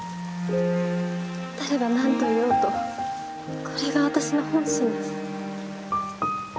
誰がなんと言おうとこれが私の本心です。